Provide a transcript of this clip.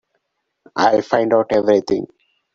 I'll find out everything.